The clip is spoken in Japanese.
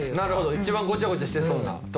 １番ごちゃごちゃしてそうな所。